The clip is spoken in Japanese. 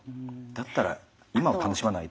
だったら今を楽しまないと。